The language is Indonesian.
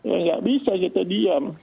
enggak bisa kita diam